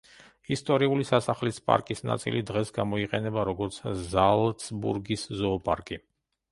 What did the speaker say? ისტორიული სასახლის პარკის ნაწილი დღეს გამოიყენება, როგორც ზალცბურგის ზოოპარკი.